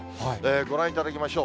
ご覧いただきましょう。